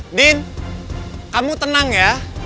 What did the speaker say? andin kamu tenang ya